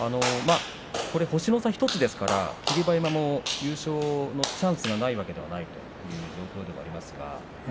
星の差１つですから霧馬山も優勝のチャンスがないわけではないという状況ではありますが。